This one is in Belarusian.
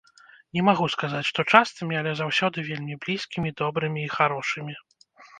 Не магу сказаць, што частымі, але заўсёды вельмі блізкімі, добрымі і харошымі.